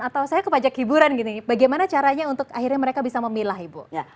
atau saya ke pajak hiburan gini bagaimana caranya untuk akhirnya mereka bisa memilah ibu